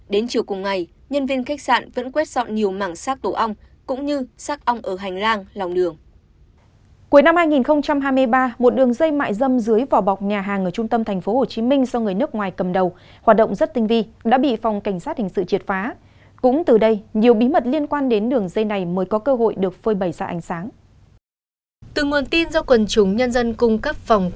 đến chiều cùng ngày nhân viên khách sạn vẫn quét dọn nhiều mảng xác tổ ong cũng như xác ong